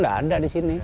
udah ada di sini